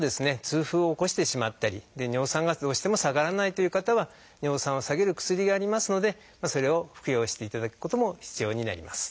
痛風を起こしてしまったり尿酸がどうしても下がらないという方は尿酸を下げる薬がありますのでそれを服用していただくことも必要になります。